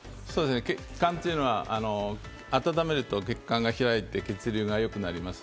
血管というのは温めると血管が開いて血流がよくなります。